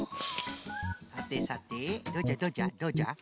さてさてどうじゃどうじゃどうじゃ？